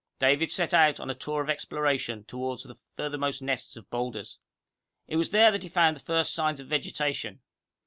David set out on a tour of exploration toward the furthermost nests of boulders. It was there that he found the first signs of vegetation.